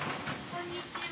こんにちは。